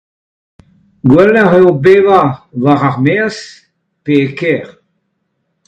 Gwellañ eo bevañ war ar maez pe e kêr?